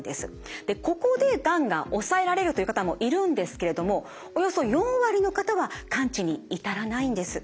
ここでがんが抑えられるという方もいるんですけれどもおよそ４割の方は完治に至らないんです。